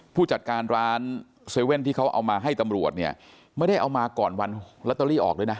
ผู้จัดการร้าน๗๑๑ที่เขาเอามาให้ตำรวจเนี่ยไม่ได้เอามาก่อนวันลอตเตอรี่ออกด้วยนะ